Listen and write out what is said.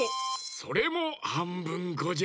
それもはんぶんこじゃ。